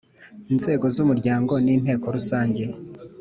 Inzego z umuryango ni Inteko Rusange